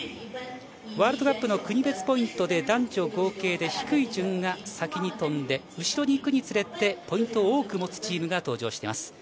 ワールドカップの国別ポイントで男女合計で低い順が先に飛んで後ろに行くにつれてポイントを多く持つチームが登場します。